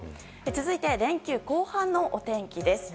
続いて連休後半のお天気です。